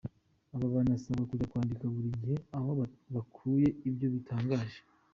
Aba banasabwa kujya bandika buri gihe aho bakuye ibyo bitangaje.